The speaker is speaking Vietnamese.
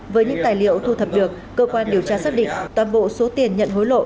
với những tài liệu thu thập được cơ quan điều tra xác định toàn bộ số tiền nhận hối lộ